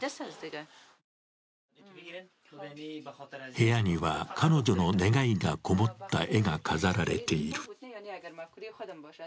部屋には彼女の願いがこもった絵が飾られている。